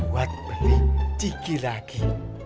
buat beli ciki lagi